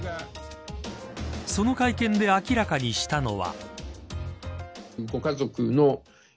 その会見で明らかにしたのは。